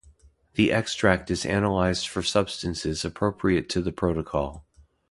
The extract is analyzed for substances appropriate to the protocol.